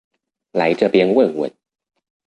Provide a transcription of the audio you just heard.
來這邊問問